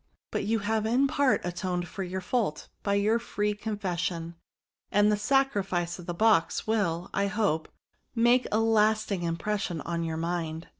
But you have in part atoned for your fault by your free confession ; and the sacrifice of the box wiU, Ihope, makeala.ting impres sion on your mind."